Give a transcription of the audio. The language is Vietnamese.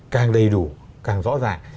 càng đầy đủ càng rõ ràng